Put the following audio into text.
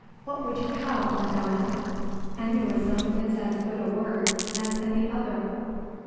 "What would you have, Madonna? Aneurism is as good a word as any other."